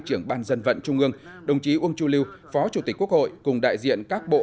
trưởng ban dân vận trung ương đồng chí uông chu lưu phó chủ tịch quốc hội cùng đại diện các bộ